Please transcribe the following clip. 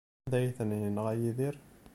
Anda ay ten-yenɣa Yidir?